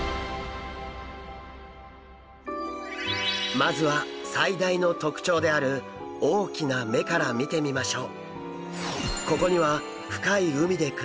まずは最大の特徴である大きな目から見てみましょう。